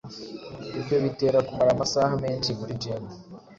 ibyo bitera kumara amasaha menshi muri gym